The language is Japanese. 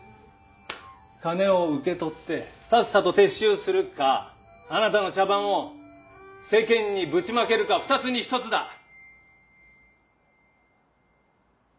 金を受け取ってさっさと撤収するかあなたの茶番を世間にぶちまけるか二つに一つだ。